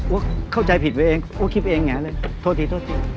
ว่าเข้าใจผิดไว้เองว่าคิดไปเองไงเลยโทษทีโทษที